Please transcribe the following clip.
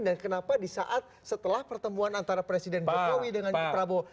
dan kenapa di saat setelah pertemuan antara presiden bokowi dengan prabowo